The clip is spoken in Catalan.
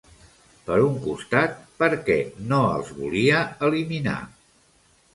Per un costat, per què no els volia eliminar?